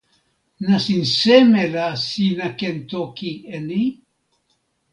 nasin seme la sina ken toki e ni?